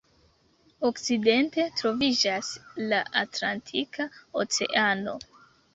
Okcidente troviĝas la Atlantika Oceano.